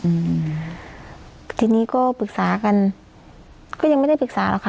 อืมทีนี้ก็ปรึกษากันก็ยังไม่ได้ปรึกษาหรอกค่ะ